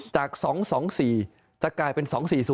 จาก๒๒๔จะกลายเป็น๒๔๐